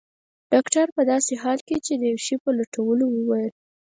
ډاکټر په داسې حال کې چي د یو شي په لټولو وو وویل.